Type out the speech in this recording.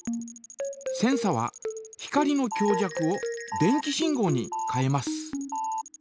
センサは光の強弱を電気信号に変えます。